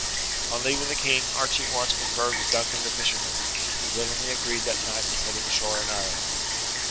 On leaving the king Archie at once conferred with Duncan the fisherman, who willingly agreed that night to set him ashore in Ireland.